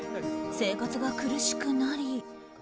生活が苦しくなり。